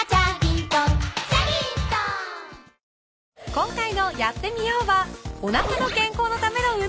今回の「やってみよう！」は。